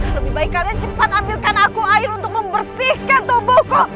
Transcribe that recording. lebih baik kalian cepat ambilkan aku air untuk membersihkan tubuhku